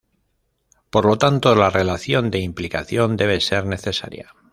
Por lo tanto la relación de implicación debe ser necesaria.